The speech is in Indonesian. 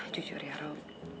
jujur ya rob